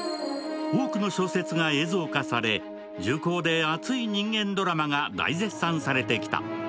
多くの小説が映像化され、重厚で熱い人間ドラマが大絶賛されてきた。